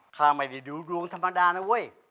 ข้าไม่ได้ดูดวงธรรมดานะเว้ย